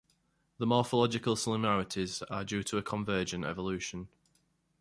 The morphological similarities are due to convergent evolution.